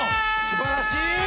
すばらしい。